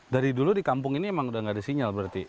dari dulu di kampung ini memang sudah nggak ada sinyal berarti